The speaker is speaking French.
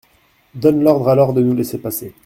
Donne l'ordre alors de nous laisser passer.